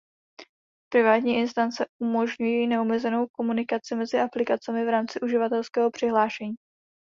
Privátní instance umožňují neomezenou komunikaci mezi aplikacemi v rámci uživatelského přihlášení.